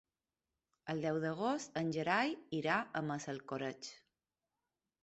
El deu d'agost en Gerai irà a Massalcoreig.